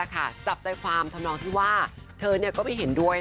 จับใจความทำนองที่ว่าเธอก็ไม่เห็นด้วย